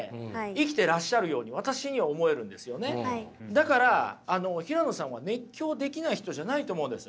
だからあの平野さんは熱狂できない人じゃないと思うんです。